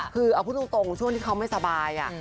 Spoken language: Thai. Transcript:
คือเอาพูดตรงช่วงที่เขาไม่สบาย